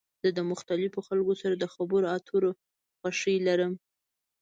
زه د مختلفو خلکو سره د خبرو اترو خوښی لرم.